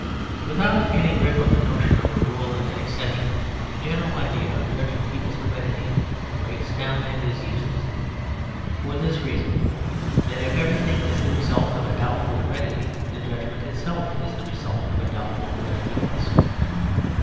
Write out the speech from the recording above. Without any grip of the notion of a rule and an exception, the general idea of judging people's heredity breaks down and is useless. For this reason: that if everything is the result of a doubtful heredity, the judgment itself is the result of a doubtful heredity also.